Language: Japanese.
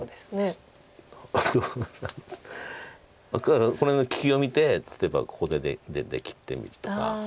あとはこの辺の利きを見て例えばここで出て切ってみるとか。